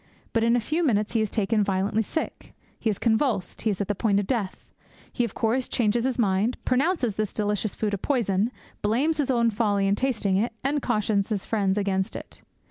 But in a few minutes he is taken violently sick; he is convulsed; he is at the point of death. He, of course, changes his mind, pronounces this delicious food a poison, blames his own folly in tasting it, and cautions his friends against it.